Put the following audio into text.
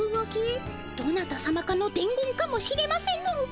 どなたさまかのでん言かもしれませぬ。